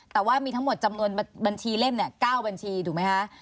แต่ว่ามีทั้งหมดจำนวนบัญชีเล่ม๙บัญชีถูกไหมคะ